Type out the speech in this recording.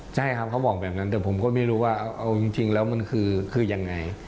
ใช่ครับเขาบอกแบบนั้นแต่ผมก็ไม่รู้ว่าเอาจริงแล้วมันคือยังไง